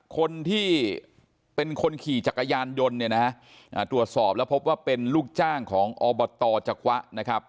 คนที่เป็นคนขี่จักรยานยนต์เนี่ยนะฮะตรวจสอบแล้วพบว่าเป็นลูกจ้างของอบตจักวะนะครับ